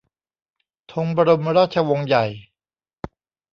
ธงบรมราชวงศ์ใหญ่